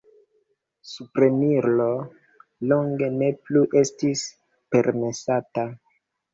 Supreniro longe ne plu estis permesata.